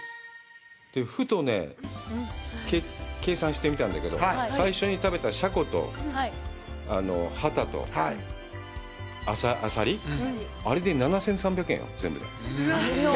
ふとね、計算してみたんだけど、最初に食べたシャコとハタと、アサリ、あれで７３００円よ、全部で。